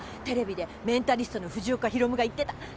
テレビでメンタリストの藤岡ヒロムが言ってた。